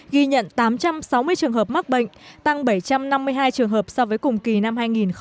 ghi nhận tám trăm sáu mươi trường hợp mắc bệnh tăng bảy trăm năm mươi hai trường hợp so với cùng kỳ năm hai nghìn một mươi tám